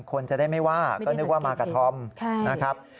คนจะได้ไม่ว่าก็นึกว่ามากับธอมนะครับ